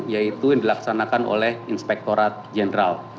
yaitu yang dilaksanakan oleh inspektorat jenderal